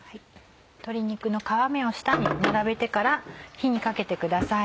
鶏肉の皮目を下に並べてから火にかけてください。